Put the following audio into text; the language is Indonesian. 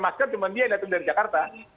masker cuma dia yang datang dari jakarta